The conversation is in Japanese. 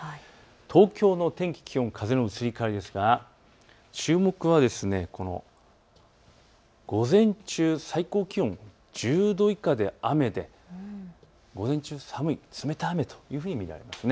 東京の天気、気温、風の移り変わりですが注目は午前中、最高気温１０度以下で雨で午前中寒い、冷たい雨というふうに見られます。